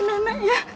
wah aku nenek ya